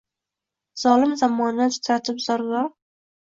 Zolim zamonini titratib zor-zor.